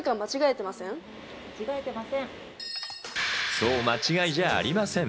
そう、間違いじゃありません。